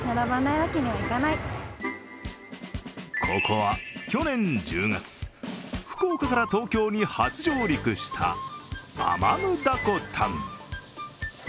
ここは去年１０月、福岡から東京に初上陸したアマムダコタン。